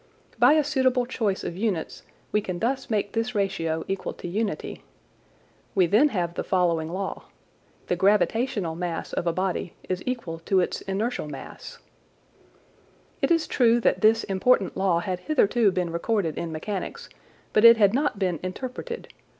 By a suitable choice of units we can thus make this ratio equal to unity. We then have the following law: The gravitational mass of a body is equal to its inertial law. It is true that this important law had hitherto been recorded in mechanics, but it had not been interpreted.